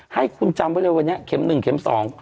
ให้คุณจำไว้เลยวันนี้เข็มหนึ่งเข็มสอง